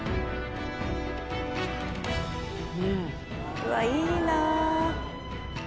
うわっいいなあ！